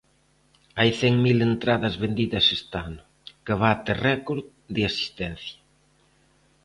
Hai cen mil entradas vendidas este ano, que bate récord de asistencia.